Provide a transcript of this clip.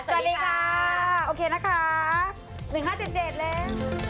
สวัสดีค่ะโอเคนะคะ๑๕๗๗แล้ว